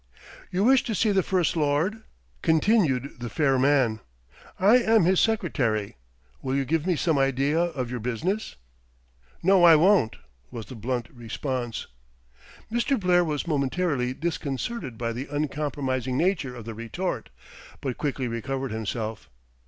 "You wish to see the First Lord?" continued the fair man. "I am his secretary. Will you give me some idea of your business?" "No, I won't," was the blunt response. Mr. Blair was momentarily disconcerted by the uncompromising nature of the retort, but quickly recovered himself.